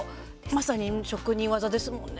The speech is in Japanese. まさに職人技ですもんね。